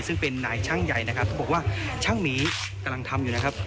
ซึ่งเป็นนายช่างใหญ่นะครับเขาบอกว่าช่างหมีกำลังทำอยู่นะครับ